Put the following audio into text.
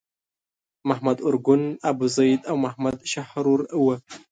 محمد ارګون، ابوزید او محمد شحرور وو.